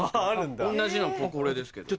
同じのこれですけど。